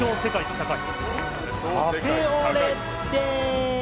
高い！